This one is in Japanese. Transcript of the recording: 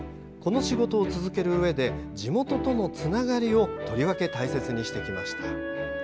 この仕事を続けるうえで地元とのつながりをとりわけ大切にしてきました。